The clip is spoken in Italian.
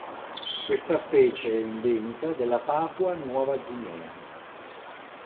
Questa specie è endemica della Papua Nuova Guinea.